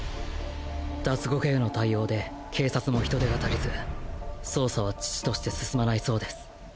ダツゴクへの対応で警察も人手が足りず捜査は遅々として進まないそうです。